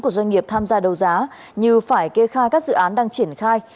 của doanh nghiệp tham gia đấu giá như phải kê khai các dự án đang triển khai